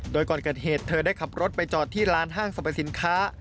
โดยก่อนเกิดเหตุเธอได้ขับรถไปจอดที่ร้านห้างสรรพสินค้า